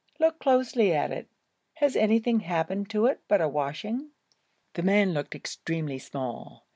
Look closely at it. Has anything happened to it but a washing?' The man looked extremely small.